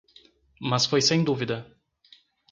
Mas foi sem dúvida.